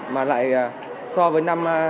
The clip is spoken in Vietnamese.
mà lại so với năm